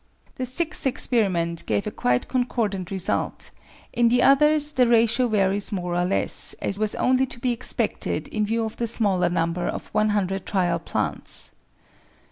The sixth experiment gave a quite concordant result; in the others the ratio varies more or less, as was only to be expected in view of the smaller number of 100 trial plants.